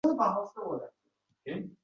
Dugonalaringiz bilan uchrashing